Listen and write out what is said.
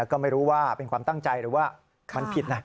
ก็ไม่รู้ว่าเป็นความตั้งใจหรือว่ามันผิดนะ